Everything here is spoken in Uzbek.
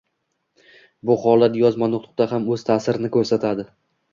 Bu holat yozma nutqqa ham oʻz taʼsirini koʻrsatadi